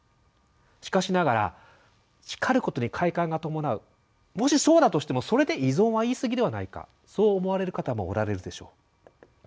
しかしながら叱ることに快感が伴うもしそうだとしてもそれで「依存」は言い過ぎではないかそう思われる方もおられるでしょう。